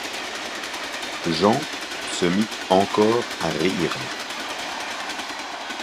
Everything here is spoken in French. Jean se mit encore à rire.